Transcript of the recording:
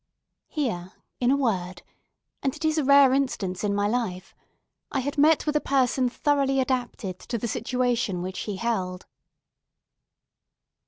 Here, in a word—and it is a rare instance in my life—I had met with a person thoroughly adapted to the situation which he held.